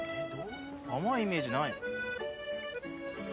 甘いイメージない。